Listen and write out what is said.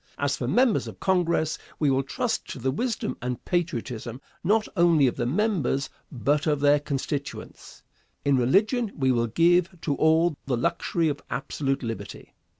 As for members of Congress, we will trust to the wisdom and patriotism, not only of the members, but of their constituents. In religion we will give to all the luxury of absolute liberty.